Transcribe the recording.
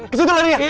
ke situ lari iya